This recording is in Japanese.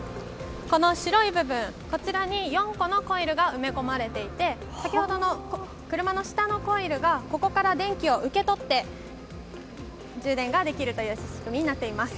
この白い部分こちらに４個のコイルが埋め込まれていて先ほどの車の下のコイルがここから電気を受け取って充電ができるという仕組みになっています。